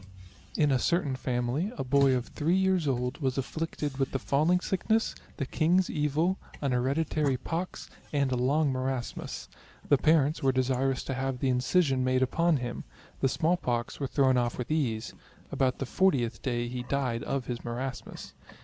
In a certain family, a boy of 3 years old, was afflicted with the falling sick ness, the king's evil, an hereditary pox, and a long marasmus. The parents were desirous to have the incision made upon him ; the small pox were thrown off with ease ; about the 40th day he died of his marasmus.